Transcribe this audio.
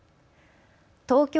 東京